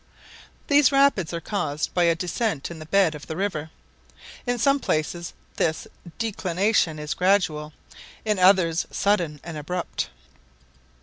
These rapids are caused by a descent in the bed of the river. In some places this declination is gradual, in others sudden and abrupt.